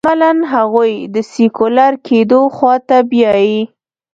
عملاً هغوی د سیکولر کېدو خوا ته بیايي.